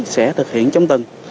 sẽ thực hiện trong từng